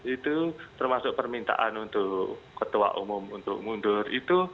itu termasuk permintaan untuk ketua umum untuk mundur